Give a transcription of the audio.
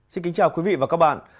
xin kính chào quý vị và các bạn